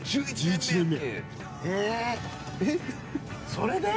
それで？